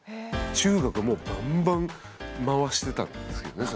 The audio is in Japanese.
中学はもうバンバン回してたんですけどね。